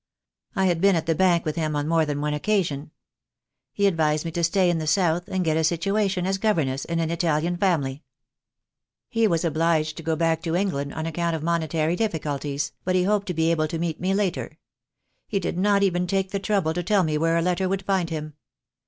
I had been at the bank with him on more than one occasion. He advised me to stay in the South, and get a situation as governess in an Italian family. He was obliged to go back to England on account of monetary difficulties, but he hoped to be able to meet me later. He did not even take the trouble to tell me where a letter would find him.